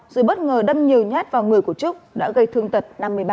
rồi bất ngờ đâm nhiều nhát vào người của trúc đã gây thương tật năm mươi ba